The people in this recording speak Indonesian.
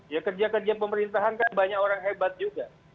ya kerja kerja pemerintahan kan banyak orang hebat juga